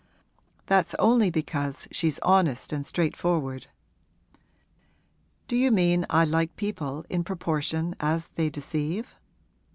'That's only because she's honest and straightforward.' 'Do you mean I like people in proportion as they deceive?'